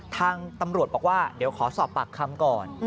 ทางตำรวจบอกว่าเดี๋ยวขอสอบปากคำก่อน